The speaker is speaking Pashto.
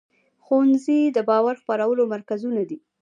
ښوونځي د باور خپرولو مرکزونه دي.